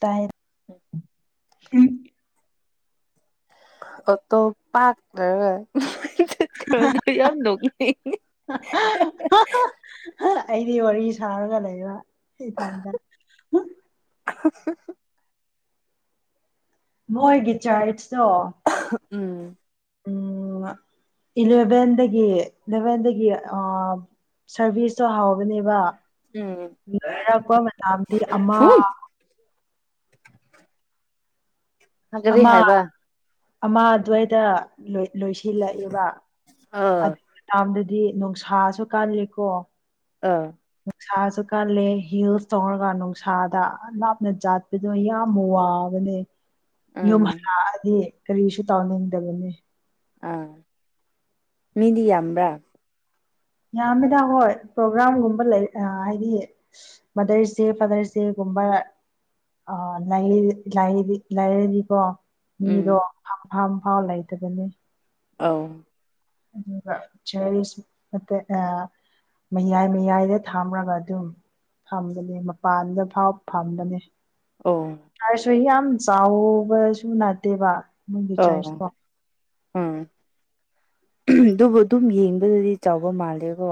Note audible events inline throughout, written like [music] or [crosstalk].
ꯇꯥꯏ ꯑꯣ ꯇꯣ ꯄꯥꯛ ꯆꯠ ꯀꯣꯗ ꯌꯥꯝ ꯅꯣꯛꯉꯤꯉꯦ ꯑꯩꯗꯤ ꯋꯥꯔꯤ ꯁꯥꯔꯒ ꯂꯩꯕ ꯏꯊꯟꯇ [unintelligible] ꯃꯣꯏꯒꯤ ꯆꯔꯠꯁꯇꯣ ꯎꯝ ꯎꯝ ꯏꯂꯦꯕꯟꯗꯒꯤ ꯂꯚꯟꯗꯒꯤ ꯑ ꯁꯔꯚꯤꯁꯇ ꯍꯥꯎꯕꯅꯦꯕ ꯎꯝ ꯂꯥꯏꯔꯛꯄ ꯃꯇꯝꯗꯤ ꯑꯃ ꯍꯨꯝ ꯀꯔꯤ ꯑꯃ ꯍꯥꯏꯕ ꯑꯃ ꯑꯗꯨꯋꯥꯏꯗ ꯅꯨꯡꯁꯥꯁꯨ ꯀꯟꯂꯦ ꯀꯣ ꯂꯣꯏ ꯂꯣꯏꯁꯤꯜꯂꯛꯑꯦꯕ ꯑꯥ ꯑꯠ ꯀꯥꯟꯗꯗꯤ ꯅꯨꯡꯁꯥꯁꯨ ꯀꯜꯂꯤꯀꯣ ꯑꯥ ꯅꯨꯡꯁꯥꯁꯨ ꯀꯜꯂꯦ ꯍꯤꯜꯁ ꯇꯧꯔꯒ ꯅꯨꯡꯁꯥꯗ ꯂꯥꯞꯅ ꯆꯠ ꯑꯗꯨꯗꯣ ꯌꯥꯝ ꯋꯥꯕꯅꯦ ꯌꯨꯝ ꯎꯝ ꯍꯂꯛꯑꯗꯤ ꯀꯔꯤꯁꯨ ꯇꯧꯅꯤꯡꯗꯕꯅꯦ ꯑꯥ ꯃꯤꯗꯤ ꯌꯝꯕ꯭ꯔ ꯌꯥꯝꯃꯦꯗ ꯍꯣꯏ ꯄ꯭ꯔꯣꯒ꯭ꯔꯥꯝꯒꯨꯝꯕ ꯂꯩ ꯑ ꯍꯥꯏꯗꯤ ꯃꯥꯗꯔꯁ ꯗꯦ ꯐꯥꯗꯔꯁ ꯗꯦꯒꯨꯝꯕ ꯑ ꯂ ꯂꯔꯤ ꯂꯩꯅꯤꯀꯣ ꯎꯝ ꯃꯤꯗꯣ ꯐꯝꯐꯝꯐꯥꯎ ꯂꯩꯇꯕꯅꯤ ꯑꯧ ꯑꯗꯨꯒ ꯆꯔꯁ ꯅꯇ ꯑ ꯃꯌꯥꯏ ꯃꯌꯥꯏꯗ ꯊꯝꯔꯒ ꯑꯗꯨꯝ ꯐꯝꯕꯅꯤ ꯃꯄꯥꯟꯗ ꯐꯥꯎ ꯐꯝꯕꯅꯤ ꯑꯣ ꯍꯥꯏꯔꯁꯨ ꯌꯥꯝ ꯆꯥꯎꯕꯁꯨ ꯅꯠꯇꯦꯕ ꯃꯣꯏꯒꯤ ꯑꯣ ꯆꯔꯁꯇꯣ ꯎꯝ ꯑꯗꯨꯕꯨ ꯑꯗꯨꯝ ꯌꯦꯡꯕꯗꯗꯤ ꯆꯥꯎꯕ ꯃꯥꯜꯂꯦꯀꯣ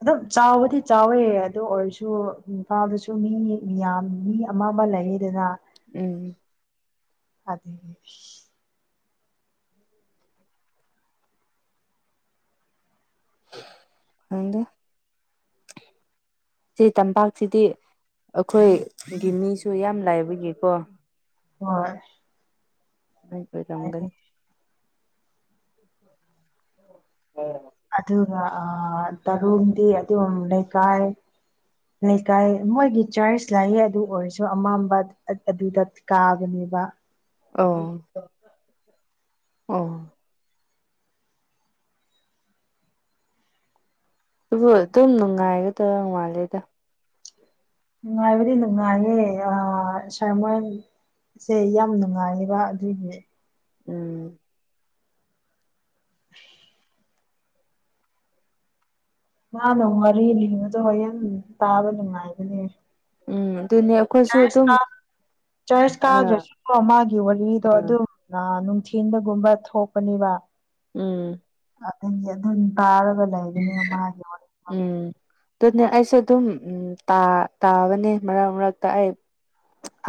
ꯑꯗꯨꯝ ꯆꯥꯎꯕꯗꯤ ꯆꯥꯎꯋꯦ ꯑꯗꯨ ꯑꯣꯏꯔꯁꯨ ꯏꯝꯐꯥꯜꯗꯁꯨ ꯃꯤ ꯃꯤꯌꯥꯝ ꯃꯤ ꯑꯃ ꯑꯃ ꯂꯩꯉꯤꯗꯅ ꯎꯝ ꯑꯗ [unintelligible] ꯑꯗ ꯁꯤ ꯇꯝꯄꯥꯛꯁꯤꯗꯤ ꯑꯩꯈꯣꯏꯒꯤ ꯃꯤꯁꯨ ꯌꯥꯝ ꯂꯥꯏꯕꯒꯤꯀꯣ ꯍꯣꯏ ꯑ ꯑꯣꯏ ꯇꯒꯜ [unintelligible] ꯑꯣ ꯑꯗꯨꯒ ꯇꯔꯨꯟꯗꯤ ꯑꯗꯨꯝ ꯂꯩꯀꯥꯏ ꯂꯩꯀꯥꯏ ꯃꯣꯏꯒꯤ ꯆꯔꯆ ꯂꯥꯛꯌꯦ ꯑꯗꯨ ꯑꯣꯏꯔꯁꯨ ꯑꯃꯝꯕ ꯑꯗꯨꯗ ꯀꯥꯕꯅꯦꯕ ꯑꯣ ꯑꯣ ꯑꯗꯨꯕꯨ ꯑꯗꯨꯝ ꯅꯨꯡꯉꯥꯏꯒꯗꯧ ꯃꯥꯂꯦꯗ ꯅꯨꯡꯉꯥꯏꯕꯗꯤ ꯅꯨꯡꯉꯥꯏꯌꯦ ꯑ ꯁꯔꯃꯟ ꯁꯦ ꯌꯥꯝ ꯅꯨꯡꯉꯥꯏꯌꯦꯕ ꯑꯗꯨꯒꯤ ꯎꯝ [unintelligible] ꯃꯥꯅ ꯋꯥꯔꯤ ꯂꯤꯕꯗꯣ ꯍꯣꯔꯌꯦꯟ ꯇꯥꯕ ꯅꯨꯡꯉꯥꯏꯕꯅꯦ ꯎꯝ ꯑꯗꯨꯅ‌ꯦ ꯆꯔꯁ ꯀꯥ ꯆꯔꯁ ꯑꯥ ꯀꯥꯗ꯭ꯔꯁꯨꯀꯣ ꯃꯥꯒꯤ ꯋꯥꯔꯤꯗꯣ ꯎꯝ ꯑꯗꯨꯝ ꯑꯥ ꯅꯨꯡꯊꯤꯟꯗꯒꯨꯝꯕ ꯊꯣꯛꯄꯅꯦꯕ ꯎꯝ ꯑꯗꯨ ꯑꯗꯨꯝ ꯇꯥꯔꯒ ꯂꯩꯗꯨꯅꯤ ꯃꯥꯒꯤ ꯋꯥꯔꯤꯗꯣ ꯎꯝ ꯑꯗꯨꯅꯦ ꯑꯩꯁꯨ ꯑꯗꯨꯝ ꯇꯥ ꯇꯥꯕꯅꯦ ꯃꯔꯛ ꯃꯔꯛꯇ ꯑꯩ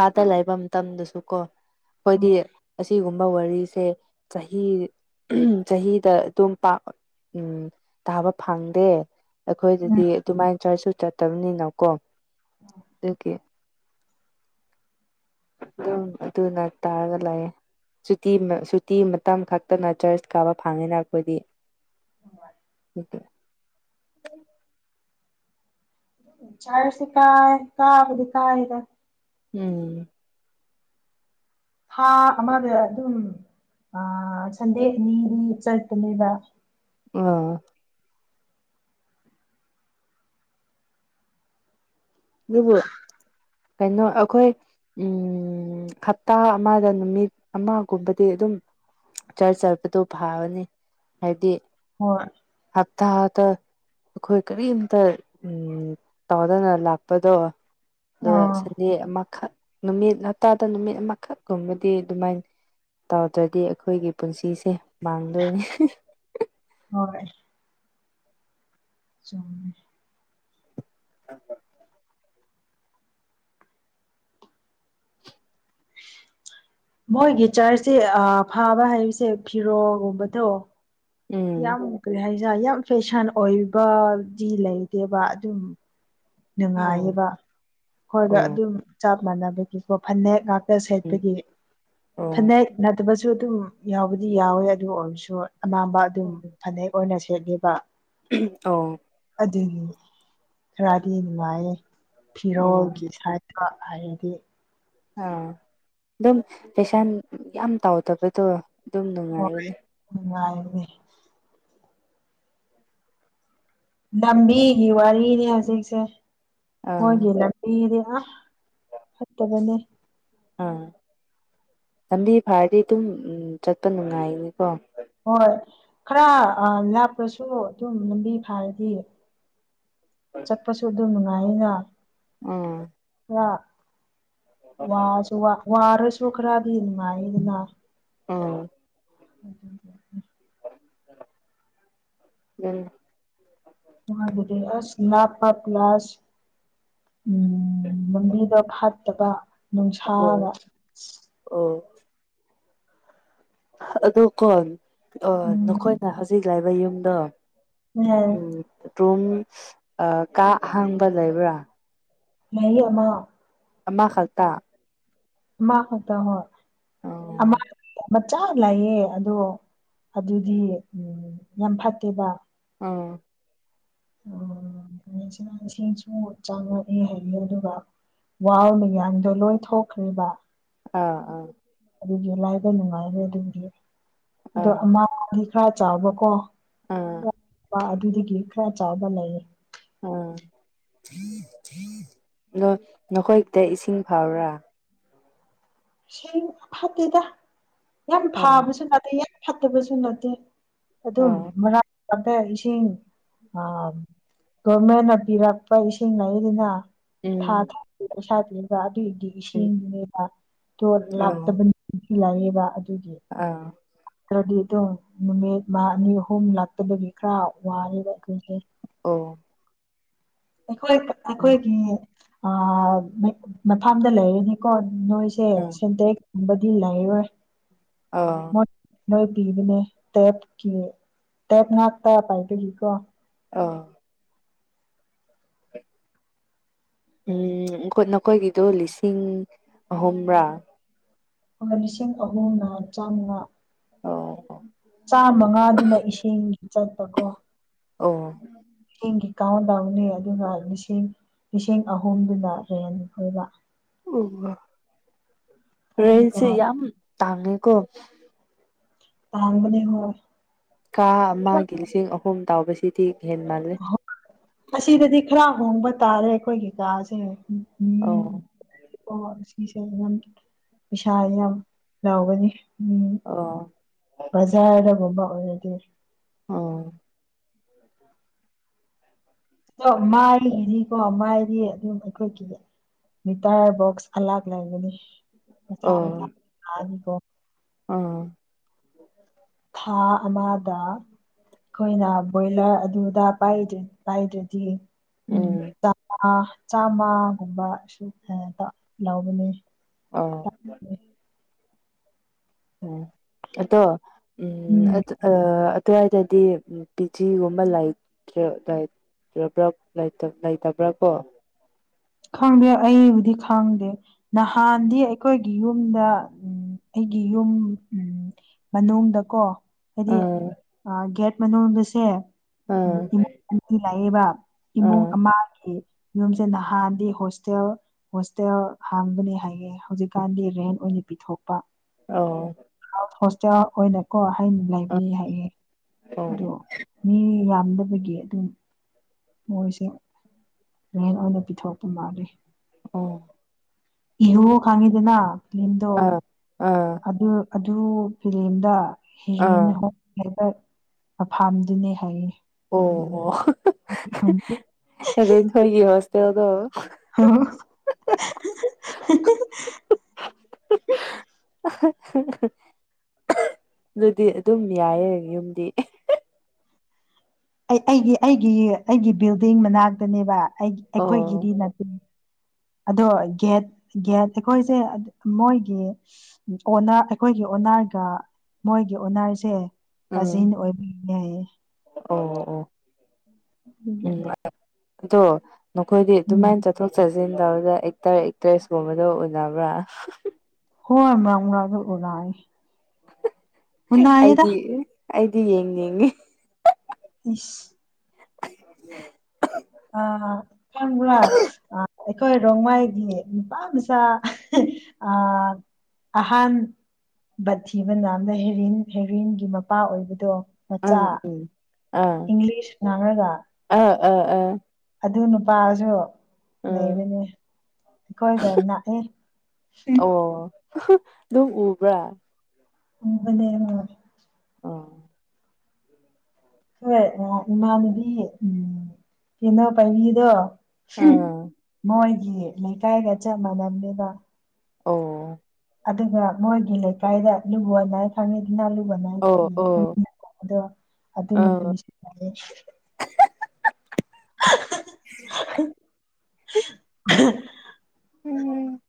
ꯑꯥꯗ ꯂꯩꯕ ꯃꯇꯝꯗꯁꯨ ꯀꯣ ꯑꯩꯈꯣꯏꯗꯤ ꯑꯣ ꯑꯁꯤꯒꯨꯝꯕ ꯋꯥꯔꯤꯁꯦ ꯆꯍꯤ ꯆꯍꯤꯗ ꯑꯗꯨꯝ ꯄꯥ ꯎꯝ ꯇꯥꯕ ꯐꯪꯗꯦ ꯎꯝ ꯑꯩꯈꯣꯏꯗꯗꯤ ꯑꯗꯨꯃꯥꯏꯅ ꯆꯔꯆꯁꯨ ꯆꯠꯇꯕꯅꯤꯅꯀꯣ ꯑꯣꯀꯦ ꯎꯝ ꯑꯗꯨ ꯅꯠꯇꯒꯂꯑꯦ ꯁꯨꯇꯤ ꯁꯨꯇꯤ ꯃꯇꯝ ꯈꯛꯇꯅ ꯆꯔꯆ ꯀꯥꯕ ꯐꯪꯉꯤꯅ ꯑꯩꯈꯣꯏꯗꯤ [unintelligible] ꯆꯔꯁ ꯁꯤ ꯀꯥꯌ‌ꯦ ꯀꯥꯕꯗꯤ ꯀꯥꯌ‌ꯦꯗ ꯎꯝ ꯊꯥ ꯑꯃꯗ ꯑꯗꯨꯝ ꯁꯟꯗꯦ ꯑꯥ ꯑꯅꯤ꯫ ꯑꯅꯤꯗꯤ ꯆꯠꯄꯅꯦꯕ ꯎꯝ ꯑꯗꯨꯕꯨ ꯀꯩꯅꯣ ꯑꯩꯈꯣꯏ ꯎꯝ ꯍꯞꯇꯥ ꯑꯃꯗ ꯅꯨꯃꯤꯠ ꯑꯃꯒꯨꯝꯕꯗꯤ ꯑꯗꯨꯝ ꯆꯔ ꯆꯠꯄꯗꯨꯣ ꯐꯥꯕꯅꯤ ꯍꯥꯏꯕꯗꯤ ꯍꯣꯏ ꯍꯞꯇꯥꯗ ꯑꯩꯈꯣꯏ ꯀꯔꯤꯝꯇ ꯎ ꯇꯧꯗꯅ ꯂꯥꯛꯄ ꯀꯞꯄꯗꯣ ꯑꯗꯣ ꯑꯥ ꯁꯟꯗꯦ ꯑꯃꯈꯛ ꯅꯨꯃꯤꯠ ꯍꯞꯇꯥꯗ ꯅꯨꯃꯤꯠ ꯑꯃꯈꯛꯒꯨꯝꯕꯗꯤ ꯑꯗꯨꯃꯥꯏꯅ ꯇꯧꯗ꯭ꯔꯗꯤ ꯑꯩꯈꯣꯏꯒꯤ ꯄꯨꯟꯁꯤꯁꯦ ꯃꯥꯡꯗꯣꯏꯅꯤ꯫ ꯍꯣꯏ ꯆꯨꯝꯃꯦ꯫ [inaudible] ꯃꯣꯏꯒꯤ ꯆꯥꯔꯇꯤ ꯐꯥꯕ ꯍꯥꯏꯔꯤꯁꯦ ꯐꯤꯔꯣꯜꯒꯨꯝꯕ ꯗꯣ ꯎꯝ ꯌꯥꯝ ꯀꯔꯤ ꯍꯥꯏꯁꯦ ꯌꯥꯝ ꯐꯦꯁꯟ ꯑꯣꯏꯕꯗꯤ ꯂꯩꯇꯦꯕ ꯑꯗꯨꯝ ꯑꯧ ꯅꯨꯡꯉꯥꯏꯌꯦꯕ ꯑꯩꯈꯣꯏꯒ ꯑꯣ ꯑꯗꯨꯝ ꯆꯞ ꯃꯥꯟꯅꯕꯒꯤꯀꯣ ꯐꯅ‌ꯦꯛ ꯉꯥꯛ ꯎꯝ ꯁꯦꯠꯄꯒꯤ ꯑꯣ ꯐꯅꯦꯛ ꯅꯠꯇꯕꯁꯨ ꯑꯗꯨꯝ ꯌꯥꯎꯕꯗꯤ ꯌꯥꯎꯋꯦ ꯑꯗꯨ ꯑꯣꯏꯔꯁꯨ ꯑꯅꯝꯕ ꯑꯗꯨꯝ ꯐꯅꯦꯛ ꯑꯣꯏꯅ ꯁꯦꯠꯂꯦꯕ ꯎꯝ ꯑꯣ ꯑꯗꯨꯅꯤ꯫ ꯗꯤ ꯅꯨꯡꯉꯥꯏꯌꯦ ꯑꯣ ꯐꯤꯔꯣꯜꯒꯤ ꯁꯥꯏꯠꯇ ꯍꯥꯏꯔꯗꯤ ꯑꯥ ꯑꯗꯨꯝ ꯐ‌ꯦꯁꯟ ꯌꯥꯝ ꯇꯥꯎꯗꯕꯗꯣ ꯑꯗꯨꯝ ꯅꯨꯡꯉꯥꯏꯒꯅꯤ꯫ ꯅꯨꯡꯉꯥꯏꯕꯅ‌ꯦ꯫ ꯂꯝꯕꯤꯒꯤ ꯋꯥꯔꯤꯅꯦ ꯍꯧꯖꯤꯛꯁꯦ ꯑꯥ ꯃꯣꯏꯒꯤ ꯂꯝ ꯏꯗꯤ ꯑꯥ ꯐꯠꯇꯕꯅꯦ꯫ ꯑꯥ ꯂꯝꯕꯤ ꯐꯥꯔꯗꯤ ꯑꯗꯨꯝ ꯆꯠꯄ ꯅꯨꯡꯉꯥꯏꯅꯤꯀꯣ ꯍꯣꯏ ꯈꯔ ꯂꯥꯛꯄꯁꯨ ꯑꯗꯨꯝ ꯂꯝꯕꯤ ꯐꯥꯔꯗꯤ ꯆꯠꯄꯁꯨ ꯑꯗꯨ ꯅꯨꯡꯉꯥꯏꯅ ꯑꯃ ꯑ ꯋꯥꯁꯨ ꯋꯥꯔꯁꯨ ꯈꯔꯗꯤ ꯅꯨꯡꯉꯥꯏꯗꯅ ꯎꯝ [inaudible] ꯎꯝ ꯃ ꯑꯗꯨ ꯑꯁ ꯂ ꯄꯞ ꯂꯁ ꯎꯝ ꯂꯝꯕꯤꯗꯣ ꯐꯠꯇꯕ ꯑꯣ ꯅꯨꯡꯁꯥꯒ ꯑꯣ ꯑꯗꯣꯀꯣ ꯎꯝ ꯅꯈꯣꯏꯅ ꯍꯧꯖꯤꯛ ꯂꯕ ꯌꯨꯝꯗꯣ ꯎꯝ ꯔꯨꯝ ꯀꯥ ꯍꯥꯡꯕ ꯂꯩꯕ꯭ꯔꯥ? ꯂꯩꯪ ꯑꯃ ꯑꯃ ꯈꯛꯇ ꯑꯃ ꯈꯛꯇ ꯍꯣꯏ ꯎꯝ ꯑꯃ ꯆꯥ ꯂꯥꯛꯌꯦꯦ ꯑꯗꯣ ꯑꯗꯨꯗꯤ ꯌꯥꯝ ꯐꯠꯇꯦꯕ ꯎꯝ [inaudible] ꯁꯤꯅ ꯁꯤꯁꯨ ꯆꯥꯉꯛꯑꯦ ꯍꯥꯏꯅꯤ ꯑꯗꯨꯒ ꯋꯥꯔꯃꯤꯌꯥꯡꯗꯣ ꯂꯣꯏ ꯊꯣꯛꯈ꯭ꯔꯤꯕ ꯑꯥ ꯑꯥ ꯑꯗꯨꯒꯤ ꯂꯥꯏꯕ ꯅꯨꯡꯉꯥꯏꯔꯦ ꯑꯗꯨꯗꯤ ꯑꯗꯣ ꯑꯥ ꯑꯃꯥꯡꯕꯗꯤ ꯈꯔ ꯆꯥꯎꯕꯀꯣ ꯑꯗꯨꯗꯒꯤ ꯈꯔ ꯆꯥꯕ ꯂꯩꯌꯦ ꯎꯝ ꯑꯗꯣ ꯅꯈꯣꯏ ꯈꯨꯟꯗꯪ ꯏꯁꯤꯡ ꯐꯥꯕꯔꯥ ꯁ ꯌꯥꯝ ꯐꯠꯇꯦꯗ ꯌꯥꯝ ꯑꯣ ꯐꯥꯕꯁꯨ ꯅꯠꯇꯦ ꯌꯥꯝ ꯐꯠꯇꯕꯁꯨ ꯅꯠꯇꯦ ꯑꯗꯨꯝ ꯑꯥ ꯃꯔꯥꯡ ꯀꯇ ꯏꯁꯤꯡ ꯑ ꯒꯣꯔꯃꯦꯟꯅ ꯄꯤꯔꯛꯄ ꯏꯁꯤꯡ ꯂꯩꯥꯏꯗꯨꯅ ꯊꯥ ꯎꯝ ꯊꯥ ꯁꯥꯗ꯭ꯔꯤꯗ ꯑꯗꯨꯏꯗꯤ ꯎꯝ ꯏꯁꯤꯡꯗꯨꯅꯦꯕ ꯣ ꯑꯣ ꯂꯥꯛꯇꯕꯅꯤ ꯂꯥꯛꯌꯦꯦꯕ ꯑꯗꯨꯒꯤ ꯑꯥ ꯈ꯭ꯔꯗꯤ ꯑꯗꯨꯝ ꯅꯨꯃꯤꯠ ꯃ ꯑꯅꯤ ꯑꯍꯨꯝ ꯂꯥꯛꯇꯕꯒꯤ ꯈꯔ ꯋꯥꯔꯦꯕ ꯑꯩꯈꯣꯏꯁꯦ ꯑꯣ ꯑꯩꯈꯣꯏ ꯎꯝ ꯑꯩꯈꯣꯏꯒꯤ ꯃꯐꯝꯗ ꯂꯩꯔꯅꯤꯀꯣ ꯅꯣꯏ ꯁꯦ ꯑꯥ ꯁꯦꯟꯗ꯭ꯔꯦꯨꯝꯕꯗꯤ ꯂꯩꯔꯣꯏ ꯑ ꯅꯣꯏ ꯄꯤꯕꯅꯦ ꯇꯦꯞꯀꯤ ꯇꯦꯞ ꯉꯥꯛꯛꯇ ꯄꯥꯏꯕꯒꯤꯀꯣ ꯑ ꯎꯝ ꯅꯈꯣꯏꯒꯤꯗꯣ ꯂꯤꯁꯤꯡ ꯑꯍꯨꯝ꯭ꯔꯥ ꯂꯤꯁꯤꯡ ꯑꯍꯨꯝꯅ ꯆꯥꯝꯃꯉꯥ ꯑꯣ ꯑꯣ ꯆꯥꯝꯃꯉꯥꯗꯨꯅ ꯏꯁꯤꯡ ꯆꯠꯄ ꯀꯣ ꯑꯣ ꯂꯤꯁꯤꯡꯒꯤ ꯀꯥꯎꯟꯗꯥꯎꯅꯤ ꯑꯗꯨꯒ ꯂꯤꯁꯤꯡ ꯏꯁꯤꯡ ꯑꯍꯨꯝꯗꯨꯗ ꯔꯦꯟ ꯐꯣꯏꯕ ꯑꯣ ꯑꯗꯨꯒ ꯔꯦꯟꯁꯤ ꯌꯥꯝ ꯇꯥꯥꯟꯅꯤꯀꯣ ꯑꯍꯥꯡꯕꯅꯦ ꯍꯣꯏ ꯀꯥ ꯑꯃꯒꯤ ꯂꯤꯁꯤꯡ ꯑꯍꯨꯝ ꯇꯥꯎꯕꯁꯤꯗꯤ ꯍꯦꯟ ꯃꯥꯜꯂꯤ ꯑꯁꯤꯗꯗꯤ ꯈꯔ ꯍꯣꯡꯕ ꯇꯥꯔꯦ ꯑꯩꯈꯣꯏꯒꯤ ꯀꯥꯁꯦ ꯃꯤ ꯑꯣ ꯑꯣ ꯁꯤꯁꯦ ꯌꯥꯝ ꯄꯩꯁꯥ ꯌꯥꯝ ꯂꯥꯎꯒꯅꯤ ꯎꯝ ꯑꯣ ꯕꯖꯥꯔꯗꯒꯨꯝꯕ ꯑꯣꯏꯔꯗꯤ ꯑꯣ [unintelligible] ꯑꯗꯣ ꯃꯥꯏꯒꯤꯅꯤꯀꯣ ꯃꯥꯏꯗꯤ ꯑꯗꯨꯝ ꯑꯩꯈꯣꯏꯒꯤ ꯃꯤꯇꯥꯔ ꯕꯣꯛꯁ ꯑꯂꯥꯛ ꯂꯩꯒꯅꯤ ꯃꯁꯥ ꯃꯁꯥ ꯂꯥꯛꯑꯅꯤꯀꯣ ꯑꯣ ꯊꯥ ꯑꯃꯗ ꯑꯩꯈꯣꯏꯅ ꯕꯣꯏꯂꯔ ꯑꯗꯨꯗ ꯄꯥꯏꯗ꯭ꯔꯗꯤ ꯎꯝ ꯎꯝꯃ ꯆꯥꯝꯃꯒꯨꯝꯕ ꯁ ꯂꯧꯕꯅꯦ ꯑ ꯎ ꯑꯗꯣ ꯎꯝ ꯑ ꯑꯗꯨꯋꯥꯏꯗꯗꯤ ꯄꯤ ꯖꯤꯒꯨꯝꯕ ꯂꯩꯇ꯭ꯔꯦ ꯂꯩ꯭ꯔꯥ ꯂꯩꯇꯕ꯭ꯔꯥ ꯀꯣ ꯈꯪꯗꯦ ꯑꯩꯕꯨꯗꯤ ꯈꯪꯗꯦ ꯅꯍꯥꯟꯗꯤ ꯑꯩꯈꯣꯏꯒꯤ ꯌꯨꯝꯗ ꯎꯝ ꯑꯩꯒꯤ ꯌꯨꯝ ꯎ ꯃꯅꯨꯡꯗꯀꯣ ꯍꯥꯏꯗꯤ ꯑꯥ ꯒꯦꯠ ꯃꯅꯨꯡꯗꯁꯦ ꯑꯥ ꯎꯝ ꯏꯃꯨꯡ ꯑ ꯂꯥꯛꯏꯕ ꯏꯃꯨꯡ ꯑꯥ ꯑꯃꯒꯤ ꯌꯨꯝꯁꯦ ꯅꯍꯥꯟ ꯗꯤ ꯍꯣꯁꯇꯦꯜ ꯍꯣꯁꯇꯦꯜ ꯍꯥꯡꯕꯅꯤ ꯍꯥꯏꯌꯦꯦ ꯍꯧꯖꯤꯛꯀꯥꯟꯗꯤ ꯔꯦꯟ ꯑꯣꯏꯅ ꯄꯤꯊꯣꯛꯄ ꯑ ꯍꯣꯁꯇꯦꯜ ꯑꯣꯏꯅꯀꯣ ꯍꯥꯏꯩꯅ ꯂꯩꯕꯅꯤ ꯍꯥꯏꯌꯦ ꯑꯣ ꯑꯗꯣ ꯃꯤ ꯌꯥꯝꯗꯕꯒꯤ ꯑꯗꯨꯝ ꯃꯣꯏꯁꯦ ꯌꯦꯟ ꯑꯣꯏꯅ ꯄꯤꯊꯣꯔꯄ ꯃꯥꯜꯂꯤ ꯎꯝ ꯏꯍꯨ ꯈꯥꯡꯉꯤꯗꯅ ꯂꯤꯟꯗꯣ ꯑꯥ ꯑꯥ ꯑꯗꯨ ꯑꯗꯨ ꯐꯤꯂꯝꯗ ꯍꯤꯔꯟ ꯑꯥ ꯍꯥꯏꯕ ꯃꯐꯥꯝꯗꯨꯅꯦ ꯍꯥꯏꯌꯦ ꯑꯣ ꯑꯣ ꯁꯝꯇꯦ ꯔꯤꯝꯐꯩꯒꯤ ꯍꯣꯁꯇꯦꯜꯗꯣ ꯍ ꯍꯥ ꯍꯥ ꯍꯥ ꯍꯥ ꯍꯥ ꯍꯥ ꯍꯥ ꯑꯗꯨꯗꯤ ꯑꯗꯨꯝ ꯌꯥꯏꯌꯦ ꯌꯨꯝꯗꯤ ꯑꯩ ꯑꯩꯒꯤ ꯑꯩꯒꯤ ꯑꯩꯒꯤ ꯕꯤꯜꯗꯤꯡ ꯃꯅꯥꯛꯇꯅꯦꯕ ꯑꯩ ꯑꯣ ꯑꯩꯈꯣꯏꯒꯤꯗꯤ ꯅꯠꯇ [unintelligible] ꯑꯗꯣ ꯒꯦꯠ ꯒꯦꯠ ꯑꯩꯈꯣꯏꯁꯦ ꯃꯣꯏꯒꯤ ꯑꯣꯅꯔ ꯑꯩꯈꯣꯏꯒꯤ ꯑꯣꯅꯔꯒ ꯃꯣꯏꯒꯤ ꯑꯣꯅꯔꯁꯦ ꯎꯝ ꯀꯥꯖꯤꯟ ꯑꯣꯏꯕ ꯌꯥꯏꯌꯦ ꯑꯣ ꯑꯣ ꯑꯗꯨꯒꯤ ꯎꯝ ꯑꯗꯣ ꯅꯈꯣꯏꯗꯤ ꯎꯝ ꯑꯗꯨꯃꯥꯏꯅ ꯆꯠ ꯆꯠꯊꯣꯛ ꯆꯠꯁꯤꯟ ꯇꯧꯕꯗ ꯑꯦꯛꯇꯔ ꯑꯦꯛꯇ꯭ꯔꯦꯁꯀꯨꯝꯕꯗ ꯎꯅꯕ꯭ꯔꯥ ꯍꯣꯏ ꯃꯔꯛ ꯑꯗꯨ ꯎꯔꯥꯏ ꯑꯩꯗꯤ ꯑꯩꯗꯤ ꯌꯦꯡ ꯌꯦꯡꯅꯤꯡꯉꯦ ꯏꯁ ꯑ ꯀꯟꯕ꯭ꯔꯥ ꯑꯩꯈꯣꯏ ꯔꯣꯡꯃꯩꯒꯤ ꯅꯨꯄꯥ ꯃꯆꯥ ꯑ ꯑꯍꯥꯟꯕ ꯕꯠ ꯊꯤꯕ ꯅꯥꯝꯅ ꯍꯦꯔꯤꯟ ꯍꯦꯔꯤꯟꯒꯤ ꯃꯄꯥ ꯑꯣꯏꯕꯗꯣ ꯃꯆꯥ ꯑꯪ ꯎꯝ ꯑꯥ ꯏꯪꯂꯤꯁ ꯉꯥꯡꯅꯒ ꯑꯥ ꯑꯥ ꯑꯥ ꯑꯗꯨ ꯅꯨꯄꯥꯁꯨ ꯑꯥ ꯂꯩꯕꯅꯦ ꯑꯩꯈꯣꯏ ꯈ ꯅꯥꯛꯑꯦ ꯑꯣ ꯑꯗꯨꯝ ꯎꯕ꯭ꯔꯥ ꯎꯕꯅꯦ ꯑꯃꯨꯔꯛ ꯑ ꯍꯣꯏ ꯉꯍꯥꯛ ꯏꯃꯥꯟꯅꯨꯕꯤ ꯎ ꯀꯩꯅꯣ ꯄꯥꯏꯕꯤꯗꯣ ꯑꯥ ꯃꯣꯏꯒꯤ ꯂꯩꯀꯥꯏꯒ ꯆꯞ ꯃꯥꯟꯅꯅꯕꯅꯦꯕ ꯑꯣ ꯑꯗꯨꯒ ꯃꯣꯏꯒꯤ ꯂꯩꯀꯥꯏꯗ ꯂꯨꯕꯅ ꯈꯪꯉꯤꯗꯅꯥ ꯂꯨꯕꯅ ꯑꯣ ꯑꯣ ꯑꯗꯣ ꯑꯗꯨ ꯑꯥ ꯅꯨꯄꯤꯁꯨ [unintelligible] ꯎꯝ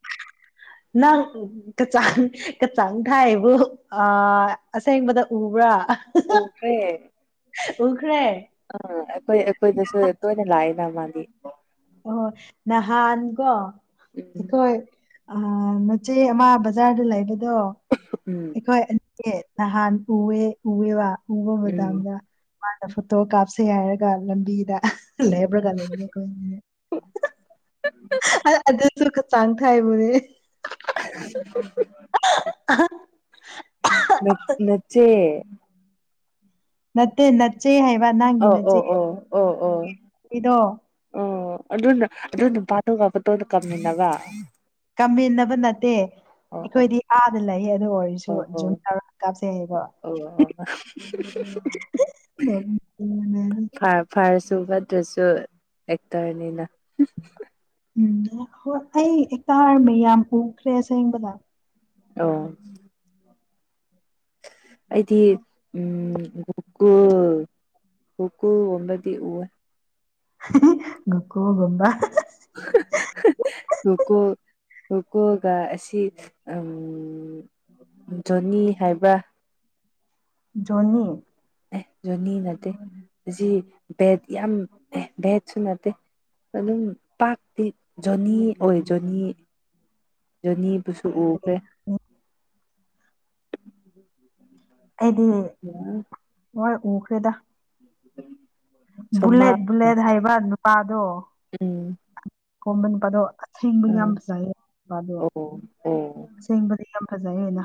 ꯅꯪ ꯎ ꯀꯆꯥꯡ ꯀꯛꯆꯥꯡ ꯊꯥꯏꯕꯨ ꯑ ꯑꯁꯦꯡꯕꯗ ꯎꯕ꯭ꯔꯥ ꯎꯈ꯭ꯔꯦ ꯎꯈ꯭ꯔꯦ ꯑꯝ ꯑꯩꯈꯣꯏ ꯑꯩꯈꯣꯏꯗꯁꯨ ꯇꯣꯏꯅ ꯂꯥꯛꯑꯦꯅ ꯃꯥꯗꯤ ꯑꯣꯍꯣ ꯅꯍꯥꯟ ꯀꯣ ꯎꯝ ꯑꯩꯈꯣꯏ ꯑ ꯃꯆꯦ ꯑꯃ ꯕꯖꯥꯔꯗ ꯂꯩꯕꯗꯣ ꯎꯝ ꯍꯣꯏ ꯅꯍꯥꯟ ꯎꯋꯦ ꯎꯋꯦꯕ ꯎꯕ ꯎꯝ ꯃꯇꯝꯗ ꯃꯥꯅ ꯐꯣꯇꯣ ꯀꯥꯞꯁꯦ ꯍꯥꯏꯔꯒ ꯂꯝꯕꯤꯗ ꯂꯦꯕ ꯔꯒ ꯂꯩꯕꯗꯣ ꯑꯩꯈꯣꯏꯅꯦ ꯑꯗꯨꯁꯨ ꯈꯆꯥꯡ ꯊꯥꯏꯕꯨꯅꯦ [unintelligible] [unintelligible] ꯅꯆꯦ ꯅ ꯇ ꯅꯆꯦ ꯍꯥꯏꯕ ꯅ ꯑꯣ ꯑꯣ ꯑꯣ ꯑꯣ ꯑꯣ ꯑꯣꯏꯗꯣ ꯑꯣ ꯑꯗꯨꯅ ꯑꯗꯨ ꯅꯨꯄꯥꯇꯣꯒꯄꯠꯇꯣꯗ ꯀꯝꯃꯤꯟꯅꯕ ꯀꯝꯃꯤꯟꯅꯕ ꯅꯠꯇꯦ ꯑꯣ ꯑꯣ ꯑꯩꯈꯣꯏꯗꯤ ꯑꯥꯗ ꯂꯩ ꯑꯗꯨ ꯑꯣꯏꯔꯁꯨ ꯖꯨꯝ ꯇꯧꯔ ꯀꯥꯞꯆꯩ ꯍꯥꯏꯕꯣ ꯑ [unintelligible] ꯐꯥꯔ ꯁꯨꯒꯗ꯭ꯔꯁꯨ ꯑꯦꯛꯇꯔꯅꯤꯅ ꯎꯝ ꯍꯣꯏ ꯑꯩ ꯍꯦꯛꯇ ꯍꯔꯝꯃꯦ ꯌꯥꯝ ꯎꯈ꯭ꯔꯦꯁꯦꯡꯕꯗ ꯑꯣ ꯑꯩꯗꯤ ꯎꯝ ꯈꯨꯣꯀꯨ ꯨꯀꯨꯒꯨꯝꯕꯗꯤ ꯎ ꯈꯣ ꯝꯕ [unintelligible] ꯈꯣꯈꯣ ꯈꯣꯀꯣꯒ ꯑꯁꯤ ꯎꯝ ꯖꯣꯅꯤ ꯍꯥꯏꯕ ꯖꯣꯅꯤ ꯑꯦ ꯖꯣꯅꯤ ꯅꯠꯇꯦ ꯑꯁꯤ ꯚꯦꯠ ꯌꯥꯝ ꯑꯦ ꯚꯦꯠꯁꯨ ꯅꯠꯇꯦ ꯑꯗꯨꯝ ꯄꯥꯛꯇꯤ ꯖꯣꯅꯤ ꯑꯣꯏ ꯖꯣꯅꯤ ꯖꯅꯤꯕꯨꯁꯨ ꯎꯈ꯭ꯔꯦ ꯑꯩꯗꯤ ꯍꯣꯏ ꯎꯈ꯭ꯔꯦꯗ [unintelligible] ꯁꯣꯃꯥ ꯕꯨꯂꯦꯠ ꯕꯨꯂꯦꯠ ꯍꯥꯏꯕ ꯅꯨꯄꯥꯗꯣ ꯎꯝ ꯀꯣꯝꯕ ꯅꯨꯄꯥꯗꯣ ꯑꯁꯦꯡꯕ ꯑꯥ ꯌꯥꯝꯖꯥꯏꯩꯌꯦ ꯅꯨꯄꯥꯗꯣ ꯑꯣ ꯑꯣ ꯁꯦꯡꯕꯗꯤ ꯌꯥꯝ ꯐꯖꯩꯌꯦ ꯑꯣꯏꯅ